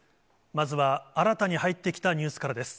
まずは新たに入ってきたニュースからです。